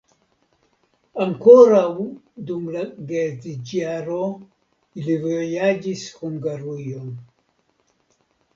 Ankoraŭ dum la geedziĝjaro ili vojaĝis Hungarujon.